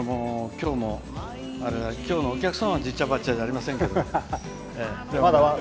今日のお客様は「じっちゃばっちゃ」じゃありませんけどね。